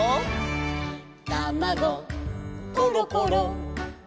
「たまごころころ」